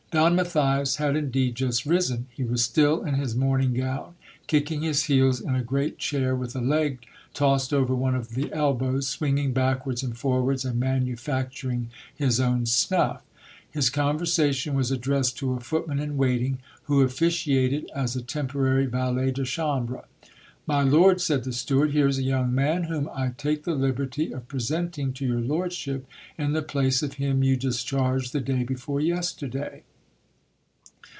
Don Matthias had indeed just risen. He was still in his morning gown, kicking his heels in a great chair, with a leg tossed over one of the elbows, swinging backwards and forwards, and manufacturing his own snuff. His con versation was addressed to a footman in waiting, who officiated as a temporary valet de chambre. ' x My lord, said the steward, here is a young man whom I take the liberty of presenting to your lordship in the place of him you dis charged the day before yesterday.